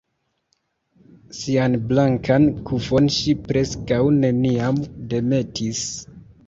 Sian blankan kufon ŝi preskaŭ neniam demetis.